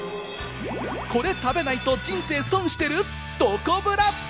これ食べないと人生損してる！？